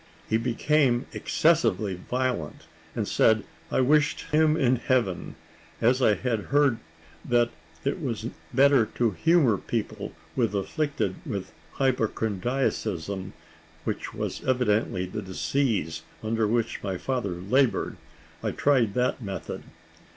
He became excessively violent, and said I wished him in heaven. As I had heard that it was better to humour people afflicted with hypochondriacism, which was evidently the disease under which my father laboured, I tried that method.